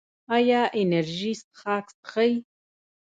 ایا انرژي څښاک څښئ؟